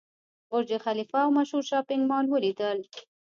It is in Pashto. برج خلیفه او مشهور شاپینګ مال ولیدل.